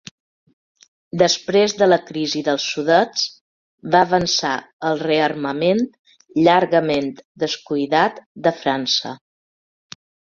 Després de la crisi dels Sudets, va avançar el rearmament llargament descuidat de França.